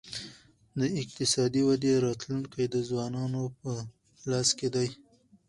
د اقتصادي ودې راتلونکی د ځوانانو په لاس کي دی.